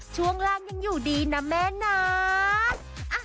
ช่วงล่างยังอยู่ดีนะแม่นัท